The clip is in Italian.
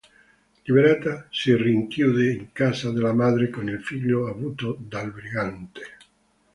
Liberata, si rinchiude in casa della madre con il figlio avuto dal brigante.